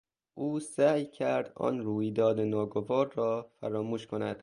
او سعی کرد آن رویداد ناگوار را فراموش کند.